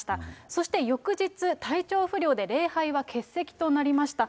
そして翌日、体調不良で礼拝は欠席となりました。